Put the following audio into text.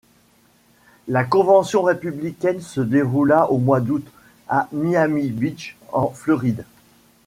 La convention républicaine se déroula au mois d'août à Miami Beach, en Floride.